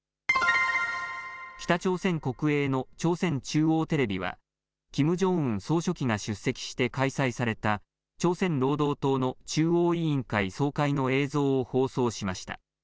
北朝鮮国営の朝鮮中央テレビはキム・ジョンウン総書記が出席して開催された朝鮮労働党の中央委員会総会の映像を放送しました。